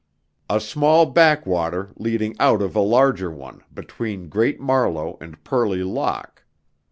"A small backwater leading out of a larger one, between Great Marlow and Purley Lock."